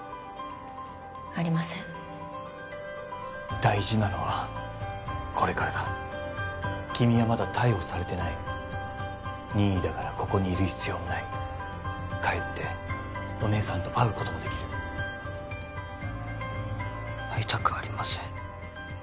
大事なのはこれからだ君はまだ逮捕されてない任意だからここにいる必要もない帰ってお姉さんと会うこともできる会いたくありません